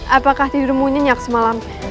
apakah tidurmu nyenyak semalam